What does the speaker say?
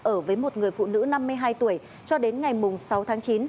ở với một người phụ nữ năm mươi hai tuổi cho đến ngày sáu tháng chín